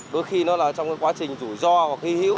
đôi khi nó là trong quá trình rủi ro khí hữu